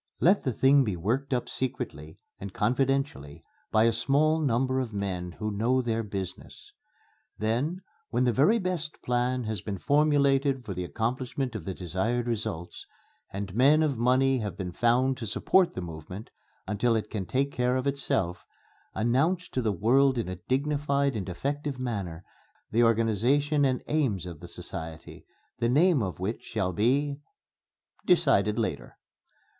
Let the thing be worked up secretly and confidentially by a small number of men who know their business. Then when the very best plan has been formulated for the accomplishment of the desired results, and men of money have been found to support the movement until it can take care of itself, announce to the world in a dignified and effective manner the organization and aims of the society, the name of which shall be , decided later....